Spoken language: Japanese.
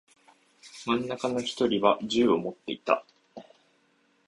真ん中の一人は銃を持っていた。